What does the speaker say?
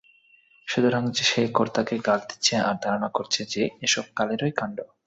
সুতরাং সে কর্তাকে গাল দিচ্ছে আর ধারণা করছে যে, এ সব কালেরই কাণ্ড!